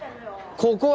ここは。